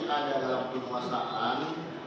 ada dalam penguasaan